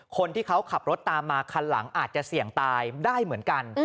คนที่เขาขับรถตามมาคันหลังอาจจะเสี่ยงตายได้เหมือนกัน